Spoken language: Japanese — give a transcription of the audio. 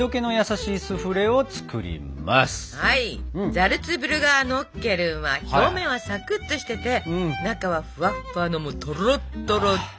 ザルツブルガーノッケルンは表面はさくっとしてて中はふわっふわのもうとろっとろです！